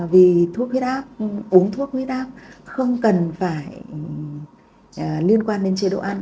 vì thuốc huyết áp uống thuốc huyết áp không cần phải liên quan đến chất lượng